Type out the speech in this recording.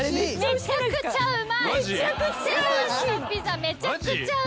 めちゃくちゃうまい。